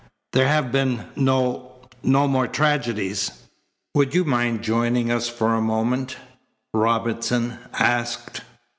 There have been no no more tragedies?" "Would you mind joining us for a moment?" Robinson asked.